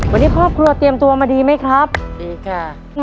วันนี้ครอบครัวเตรียมตัวมาดีไหมครับดีค่ะ